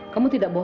kamu tidak bohong